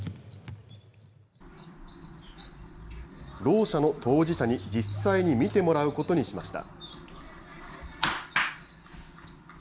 ろう者の当事者に実際に見てもらうことにしました。